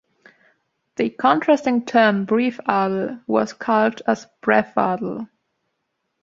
The contrasting term "Briefadel" was calqued as "brevadel".